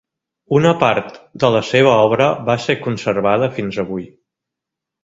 Una part de la seva obra va ser conservada fins avui.